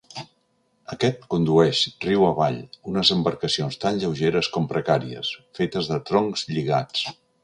Aquest condueix, riu avall, unes embarcacions tan lleugeres com precàries, fetes de troncs lligats.